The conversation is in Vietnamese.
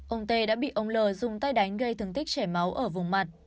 ông tê đã bị ông l dùng tay đánh gây thương tích chảy máu ở vùng mặt